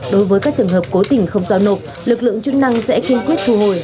đối với các trường hợp cố tình không giao nộp lực lượng chức năng sẽ kiên quyết thu hồi